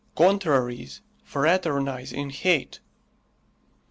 CONTRARIES FRATERNIZE IN HATE.